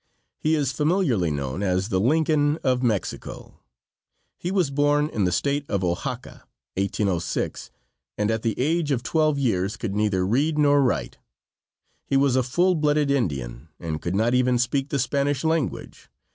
He is familiarly known as the "Lincoln of Mexico." He was born in the State of Oaxaca, 1806, and at the age of twelve years could neither read nor write. He was a full blooded Indian, and could not even speak the Spanish language.